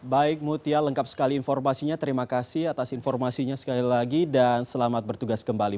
baik mutia lengkap sekali informasinya terima kasih atas informasinya sekali lagi dan selamat bertugas kembali